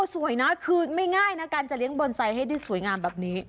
สวยนะคือไม่ง่ายนะการจะเลี้ยบอนไซค์ให้ได้สวยงามแบบนี้